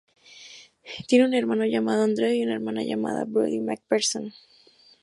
Tiene un hermano llamado, Andrew y una hermana llamada, Brodie MacPherson.